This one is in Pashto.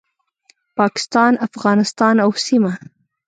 پاکستان، افغانستان او سیمه